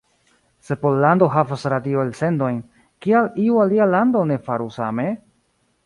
Se Pollando havas radio-elsendojn, kial iu alia lando ne faru same?